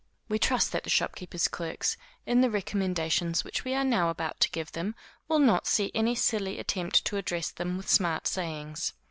We trust that the shopkeepers' clerks, in the recommendations which we are now about to give them, will not see any silly attempt to address them with smart sayings.